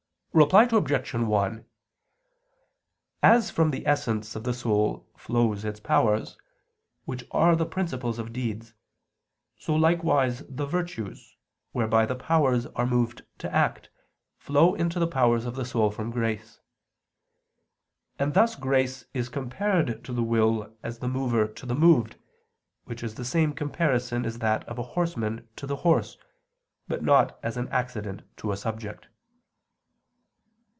Reply Obj. 1: As from the essence of the soul flows its powers, which are the principles of deeds, so likewise the virtues, whereby the powers are moved to act, flow into the powers of the soul from grace. And thus grace is compared to the will as the mover to the moved, which is the same comparison as that of a horseman to the horse but not as an accident to a subject.